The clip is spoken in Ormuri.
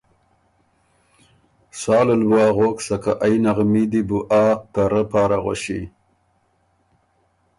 سالل بُو اغوک سکه ائ نغمي دی بُو آ ته رۀ پاره غؤݭی۔